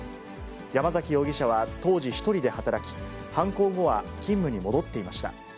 山崎容疑者は当時、１人で働き、犯行後は勤務に戻っていました。